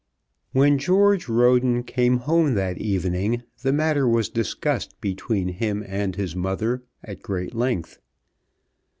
When George Roden came home that evening the matter was discussed between him and his mother at great length.